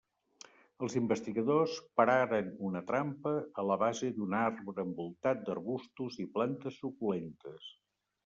Els investigadors pararen una trampa a la base d'un arbre envoltat d'arbustos i plantes suculentes.